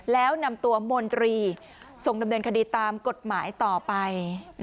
แล้วนำตัวมนตรีส่งดำเนินคดีตามกฎหมายต่อไป